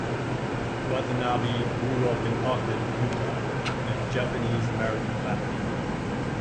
Watanabe grew up in Ogden, Utah in a Japanese American family.